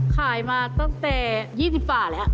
ขายมาตั้งแต่๒๐ฝ่าแล้ว